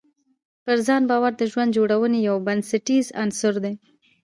پر ځان باور د ژوند جوړونې یو بنسټیز عنصر دی.